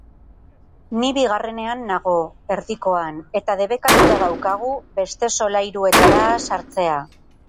Ni bigarrenean nago, erdikoan, eta debekatuta daukagu beste solairuetara sartzea.